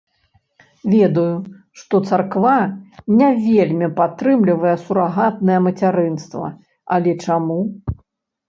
Ведаю, што царква не вельмі падтрымлівае сурагатнае мацярынства, але чаму?